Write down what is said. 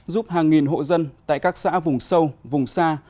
giúp hàng nghìn hộ dân tại các xã vùng sâu vùng xa